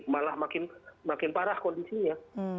malah makin parah kondisinya